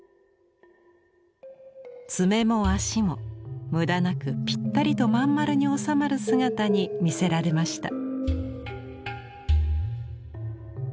爪も足も無駄なくぴったりとまん丸に収まる姿に魅せられました。